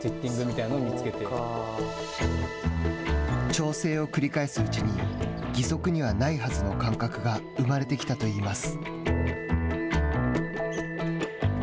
調整を繰り返すうちに義足にはないはずの感覚が生まれてきたと言います。